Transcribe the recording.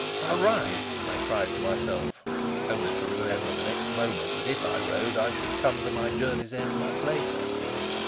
"I'll ride," I cried to myself, only to remember the next moment that, if I rode, I should come to my journey's end much later.